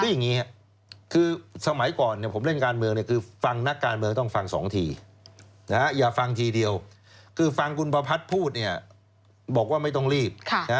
อย่างนี้ครับคือสมัยก่อนผมเล่นการเมืองคือฟังนักการเมืองต้องฟัง๒ทีอย่าฟังทีเดียวคือฟังคุณประพัทธ์พูดเนี่ยบอกว่าไม่ต้องรีบ